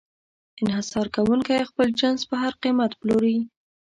انحصار کوونکی خپل جنس په هر قیمت پلوري.